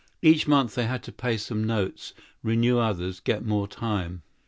Every month they had to meet some notes, renew others, obtain more time.